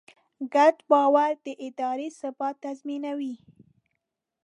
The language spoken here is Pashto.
ګډ باور د ادارې ثبات تضمینوي.